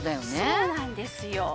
そうなんですよ。